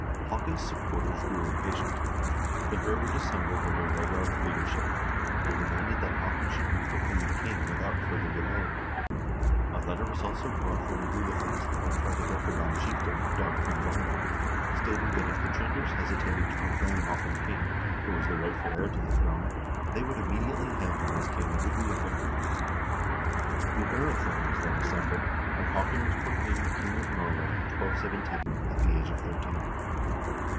Haakon's supporters grew impatient. The hird assembled under Vegard's leadership, and demanded that Haakon should be pro claimed king without further delay. A letter was also brought from the Gulathingslag by the Birkebein chieftain, Dagfinn Bonde, stating that if the Tr0nders hesitated to proclaim Haakon king, who was the rightful heir to the throne, they would immediately hail him as king at the Gulathing. The 0rething was then assembled, and Haakon was proclaimed king of Norway, 1217, at the age of thirteen.